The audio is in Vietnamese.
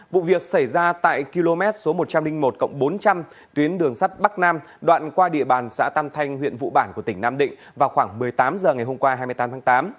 vụ việc xảy ra tại km số một trăm linh một bốn trăm linh tuyến đường sắt bắc nam đoạn qua địa bàn xã tam thanh huyện vụ bản của tỉnh nam định vào khoảng một mươi tám h ngày hôm qua hai mươi tám tháng tám